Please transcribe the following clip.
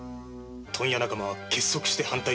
問屋仲間は結束して反対。